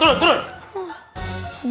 turun turun turun